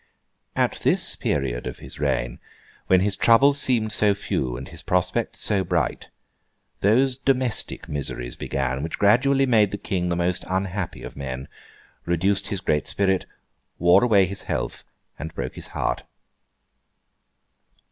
At this period of his reign, when his troubles seemed so few and his prospects so bright, those domestic miseries began which gradually made the King the most unhappy of men, reduced his great spirit, wore away his health, and broke his heart.